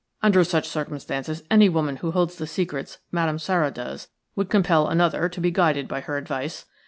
Under such circumstances any woman who holds the secrets Madame Sara does would compel another to be guided by her advice.